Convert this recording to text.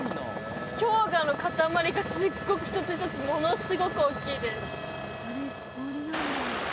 氷河の塊がすっごく一つ一つものすごく大きいです